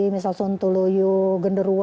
misal suntuluyo genderuwo